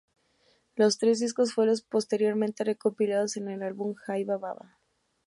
Los tres discos fueron posteriormente recopilados en el álbum "Jai Baba".